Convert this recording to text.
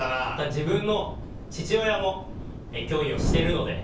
自分の父親も教員をしてるので。